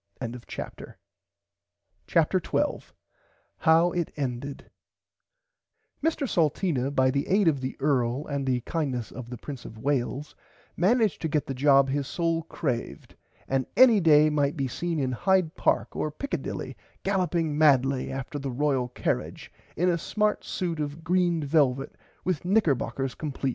[Pg 102] CHAPTER 12 HOW IT ENDED Mr Salteena by the aid of the earl and the kindness of the Prince of Wales managed to get the job his soul craved and any day might be seen in Hyde park or Pickadilly galloping madly after the Royal Carrage in a smart suit of green velvit with knickerbockers compleat.